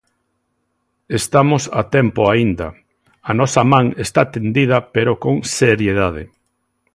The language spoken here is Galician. Estamos a tempo aínda, a nosa man está tendida pero con seriedade.